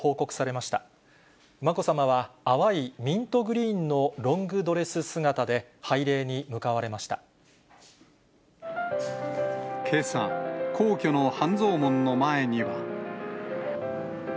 まこさまは、淡いミントグリーンのロングドレス姿で、拝礼に向かけさ、皇居の半蔵門の前には。